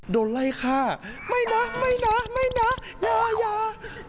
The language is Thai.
โดนไล่ฆ่าไม่นะไม่นะไม่นะยายา